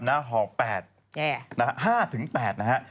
หน้าทอง๕๘นะฮะ